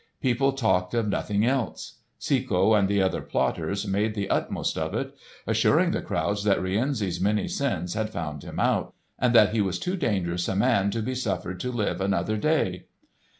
People talked of nothing else. Cecco and the other plotters made the utmost of it, assuring the crowds that Rienzi's many sins had found him out, and that he was too dangerous a man to be suffered to live another day.